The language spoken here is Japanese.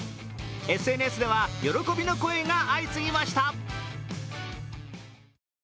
ＳＮＳでは喜びの声が相次ぎました。